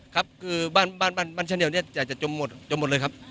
ครับคือบ้านชาวเหนียวเนี่ยจะจมหมดเลยครับ